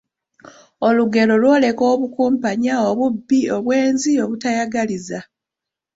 olugero lwoleka obukumpanya, obubbi, obwenzi, obutayagaliza